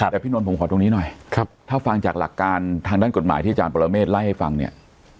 แต่พี่นนท์ผมขอตรงนี้หน่อยถ้าฟังจากหลักการทางด้านกฎหมายที่อาจารย์ปรเมฆไล่ให้ฟังเนี่ย